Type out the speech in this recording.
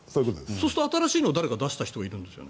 そうすると、新しいのを誰か出した人がいるんですよね。